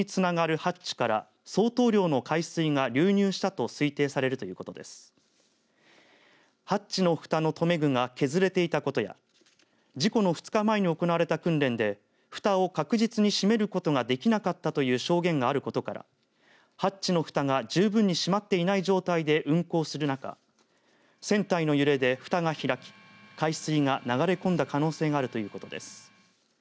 ハッチのふたの留め具が削れていたことや事故の２日間に行われた訓練でふたを確実に閉めることができなかったという証言があることからハッチのふたが十分に閉まっていない状態で運航する中船体の揺れで、ふたが開き海水が流れ込んだ可能性があるということです。